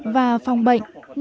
và phòng bệnh